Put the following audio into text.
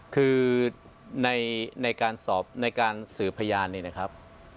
คือในการสอบในการสืบพยานนี่นะครับ